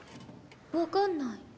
分かんない。